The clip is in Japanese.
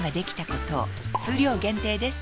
数量限定です